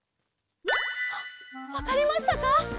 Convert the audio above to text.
わかりましたか？